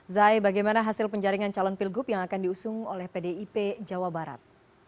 zai bagaimana hasil penjaringan calon pilgub yang akan diusung oleh pdip jawa barat